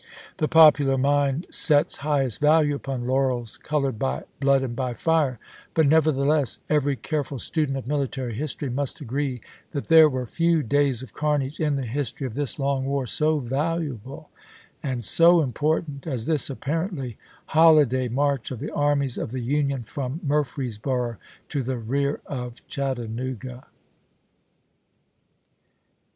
The popular mind 74 ABRAHAM LINCOLN Chap. III. sets highest value upon laurels colored by blood and by fire, but nevertheless every careful student of military history must agree that there were few days of carnage in the history of this long war so valuable and so important as this apparently holi day march of the armies of the Union from Mur 1863. freesboro to the rear of Chattanooga.